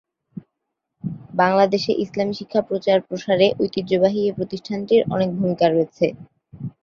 বাংলাদেশে ইসলামী শিক্ষা প্রচার-প্রসারে ঐতিহ্যবাহী এ প্রতিষ্ঠানটির অনেক ভূমিকা রয়েছে।